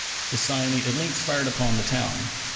The Cyane at length fired upon the town.